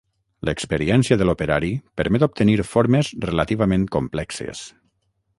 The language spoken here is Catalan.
L'experiència de l'operari permet obtenir formes relativament complexes.